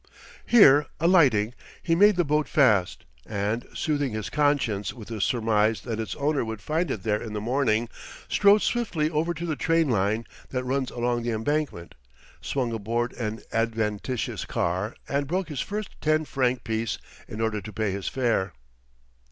Here alighting, he made the boat fast and, soothing his conscience with a surmise that its owner would find it there in the morning, strode swiftly over to the train line that runs along the embankment, swung aboard an adventitious car and broke his first ten franc piece in order to pay his fare.